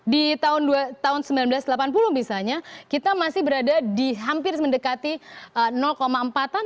di tahun seribu sembilan ratus delapan puluh misalnya kita masih berada di hampir mendekati empat an